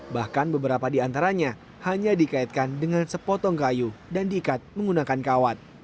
bahkan beberapa di antaranya hanya dikaitkan dengan sepotong kayu dan diikat menggunakan kawat